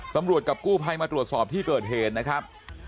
กับกู้ภัยมาตรวจสอบที่เกิดเหตุนะครับ